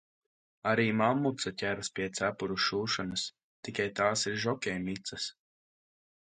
Arī mammuce ķeras pie cepuru šūšanas, tikai tās ir žokej mices.